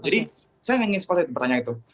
jadi saya ingin seperti itu pertanyaan gitu